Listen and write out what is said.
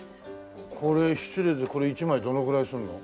これ失礼ですけどこれ１枚どのぐらいするの？